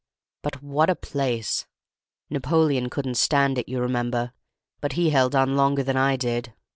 But what a place! Napoleon couldn't stand it, you remember, but he held on longer than I did.